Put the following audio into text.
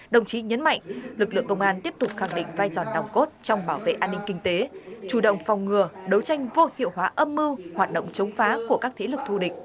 đồng chí nhấn mạnh lực lượng công an tiếp tục khẳng định vai dòn nòng cốt trong bảo vệ an ninh kinh tế chủ động phòng ngừa đấu tranh vô hiệu hóa âm mưu hoạt động chống phá của các thế lực thù địch